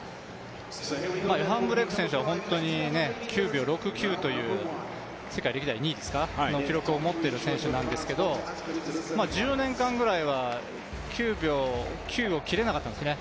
ヨハン・ブレイク選手は９秒６９という世界歴代２位の記録を持ってる選手なんですけど１０年間ぐらいは９秒９を切れなかったんですね。